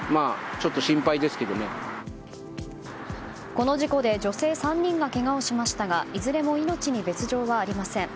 この事故で女性３人がけがをしましたがいずれも命に別条はありません。